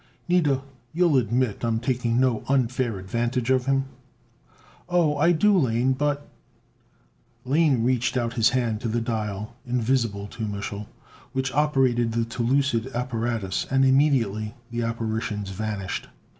Nida, you'll admit I'm taking no unfair advantage of him?" "Oh, I do, Lane, but " Lane reached out his hand to the dial, invisible to Mich'l, which operated the telucid apparatus, and immediately the apparitions vanished.